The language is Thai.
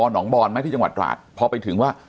หนองบอนไหมที่จังหวัดตราดพอไปถึงว่า